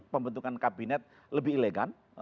pembentukan kabinet lebih elegan